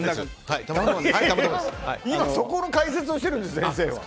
今、そこの解説をしてるんです、先生は。